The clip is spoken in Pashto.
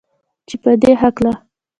چې پدې هکله